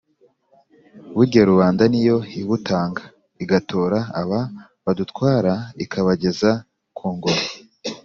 Burya Rubanda niyo ibutanga Igatora aba badutwara ikabageza ku ngoma